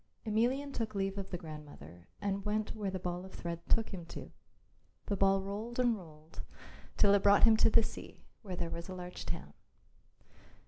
Emelian took leave of the grandmother and went where the ball of thread took him to. The ball rolled and rolled till it brought him to the sea, where there was a large town.